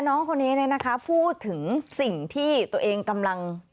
แม่น้อคนนี้นะคะพูดถึงสิ่งที่ตัวเองกำลัง